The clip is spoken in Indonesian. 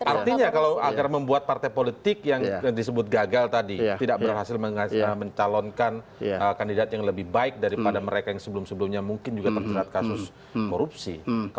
artinya kalau agar membuat partai politik yang disebut gagal tadi tidak berhasil mencalonkan kandidat yang lebih baik daripada mereka yang sebelum sebelumnya mungkin juga terjerat kasus korupsi